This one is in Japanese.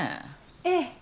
ええ。